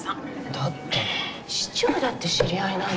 だって市長だって知り合いなんだから。